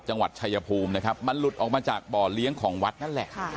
จังหวัดชายภูมินะครับมันหลุดออกมาจากบ่อเลี้ยงของวัดนั่นแหละ